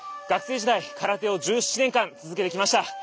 学生時代空手を１７年間続けてきました。